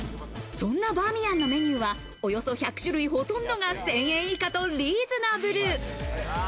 そんなバーミヤンのメニューは、およそ１００種類ほとんどが１０００円以下とリーズナブル。